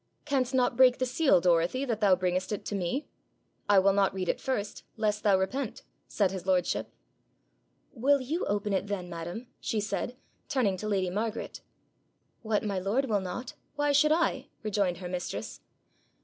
'Canst not break the seal, Dorothy, that thou bringest it to me? I will not read it first, lest thou repent,' said his lordship. 'Will you open it then, madam?' she said, turning to lady Margaret. 'What my lord will not, why should I?' rejoined her mistress.